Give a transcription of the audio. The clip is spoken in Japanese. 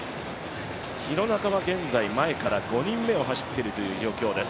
廣中は現在、前から５人目を走っている状況です。